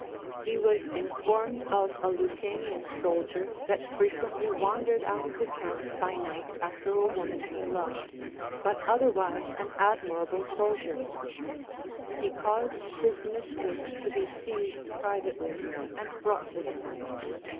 He was informed of a Lucanian soldier that frequently wandered out of the camp by night after a woman he loved, but otherwise an admirable soldier; he caused his mistress to be seized privately and brought to him.